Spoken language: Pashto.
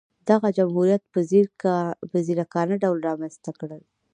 دغه جمهوریت په ځیرکانه ډول رامنځته کړل.